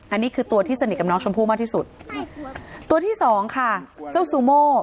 อันนี้คือตัวที่สนิทกับน้องชมพู่มากที่สุดตัวที่สองค่ะเจ้าซูโม่